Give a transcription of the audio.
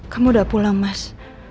kamu udah pulang mas